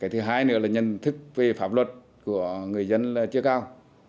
thứ hai nữa là nhân thức về pháp luật của người dân chưa cao